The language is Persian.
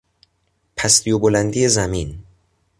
پستی و بلندی زمین